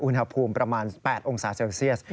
อุณหภูมิประมาณ๘องศาเซลเซียส